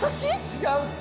違うって。